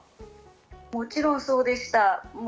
もちろんそうでした。